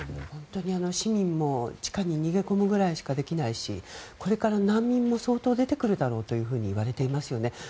本当に市民も地下に逃げ込むぐらいしかできないしこれから難民も相当出てくるだろうといわれていますよね。